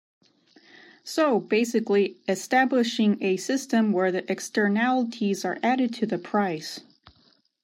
So basically establishing a system where the externalities are added to the price.